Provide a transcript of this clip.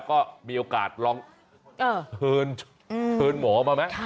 ก็มีโอกาสลองเชิญหมอมาไหม